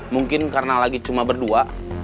mungkin karena lagi cuma berdua